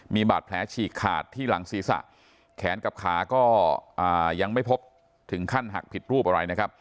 มีบาดแผลฉีกขาดที่หลังศีรษะแขนกับขาก็ยังไม่พบถึงขั้นหักผิดรูปอะไรนะครับ